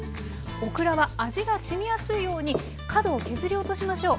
オクラは味がしみやすいように角を削り落としましょう。